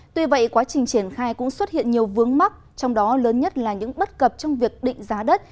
tuy vậy quá trình triển khai cũng xuất hiện nhiều vướng mắc trong đó lớn nhất là những bất cập trong việc định giá đất